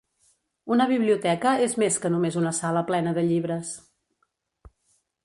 Una biblioteca és més que només una sala plena de llibres